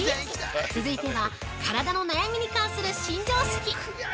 続いては、体の悩みに関する新常識！